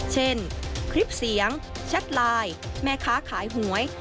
คลิปเสียงแชทไลน์แม่ค้าขายหวย